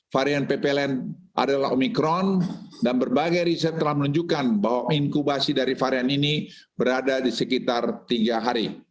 varian ppln adalah omikron dan berbagai riset telah menunjukkan bahwa inkubasi dari varian ini berada di sekitar tiga hari